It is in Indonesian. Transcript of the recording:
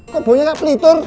kok baunya kayak pelitur